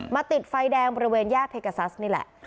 ติดไฟแดงบริเวณแยกเทกาซัสนี่แหละ